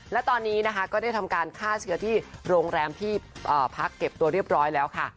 และตอนนี้นะคะก็ได้ทำการฆ่าเชื้อที่โรงแรมที่พักเก็บตัวเรียบร้อยแล้วค่ะ